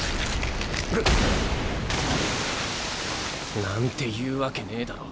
うっ！なんて言うわけねぇだろ。